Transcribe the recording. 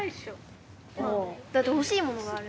だって欲しいものがある。